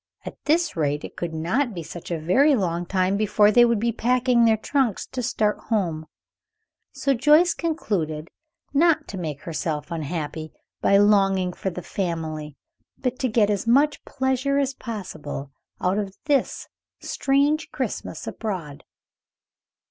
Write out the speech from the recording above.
At this rate it could not be such a very long time before they would be packing their trunks to start home; so Joyce concluded not to make herself unhappy by longing for the family, but to get as much pleasure as possible out of this strange Christmas abroad.